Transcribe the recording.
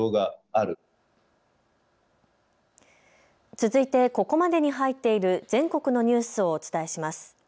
続いてここまでに入っている全国のニュースをお伝えします。